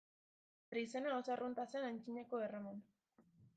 Bere izena oso arrunta zen Antzinako Erroman.